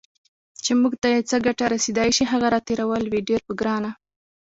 چې موږ ته یې څه ګټه رسېدای شي، هغه راتېرول وي ډیر په ګرانه